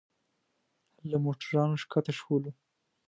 له موټرانو ښکته شولو.